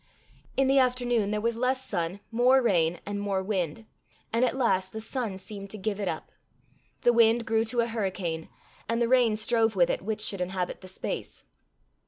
In the afternoon there was less sun, more rain, and more wind; and at last the sun seemed to give it up; the wind grew to a hurricane, and the rain strove with it which should inhabit the space.